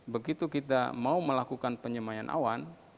begitu kita mau melakukan penyemayan awan